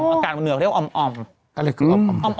อากาศบนเหนือเขาเรียกว่าอ่อม